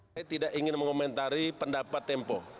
saya tidak ingin mengomentari pendapat tempo